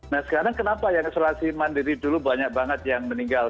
nah sekarang kenapa yang isolasi mandiri dulu banyak banget yang meninggal